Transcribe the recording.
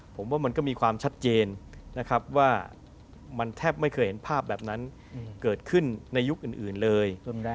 ผมว่ามันก็มีความชัดเจนนะครับว่ามันแทบไม่เคยเห็นภาพแบบนั้นเกิดขึ้นในยุคอื่นเลย